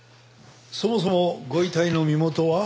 そもそもご遺体の身元は？